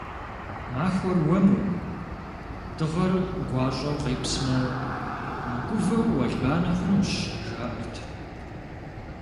Махуэр уэму дыгъэр гуащӀэу къепсмэ, мыгувэу уэлбанэ хъунущ, жаӀэрт.